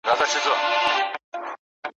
یار لیدل آب حیات دي چاته کله ور رسیږي